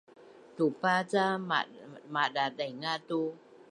Tupa ca madadaingaz tu